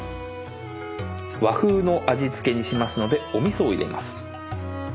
和風の味付けにしますのでおみそを入れます。